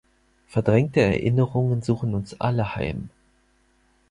Verdrängte Erinnerungen suchen uns alle heim.